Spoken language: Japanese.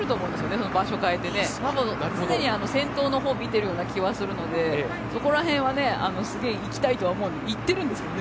その場所変えてね、たぶん常に先頭の方見てるような気はするので、そこらへんはすげえ行きたいとは思うんで行ってるんですけどね